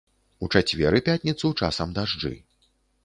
У чацвер і пятніцу часам дажджы.